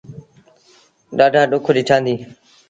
ڏآڍآ ڏُک ڏٺآنديٚ۔